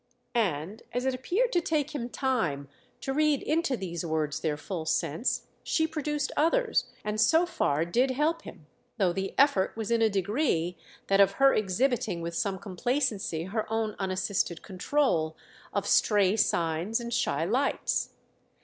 And as it appeared to take him time to read into these words their full sense, she produced others, and so far did help him—though the effort was in a degree that of her exhibiting with some complacency her own unassisted control of stray signs and shy lights.